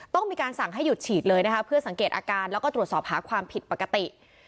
ต้องมีการสั่งให้หยุดฉีดเลยนะคะเพื่อสังเกตอาการแล้วก็ตรวจสอบหาความผิดปกติ